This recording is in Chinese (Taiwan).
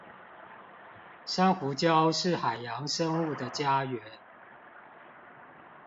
珊瑚礁是海洋生物的家園